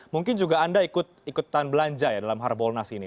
mungkin juga anda ikutan belanja ya dalam harbolnas ini